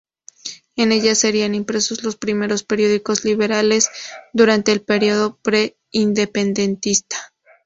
En ella serían impresos los primeros periódicos liberales durante el periodo pre-independentista.